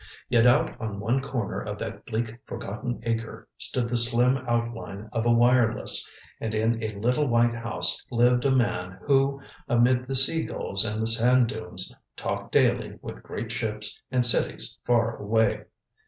Yet out on one corner of that bleak forgotten acre stood the slim outline of a wireless, and in a little white house lived a man who, amid the sea gulls and the sand dunes, talked daily with great ships and cities far away.